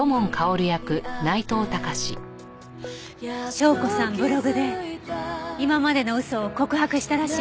紹子さんブログで今までの嘘を告白したらしいの。